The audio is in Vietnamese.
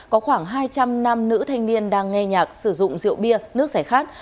có khoảng hai trăm linh nam nữ thanh niên đang nghe nhạc sử dụng rượu bia nước giải khát